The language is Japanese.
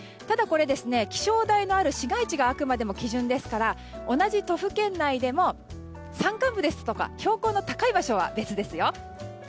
ただ、これは気象台のある市街地があくまで基準ですから同じ都府県内でも山間部ですとか標高の高い場所は別ですよ。